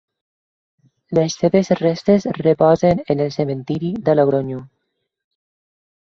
Les seves restes reposen en el cementiri de Logronyo.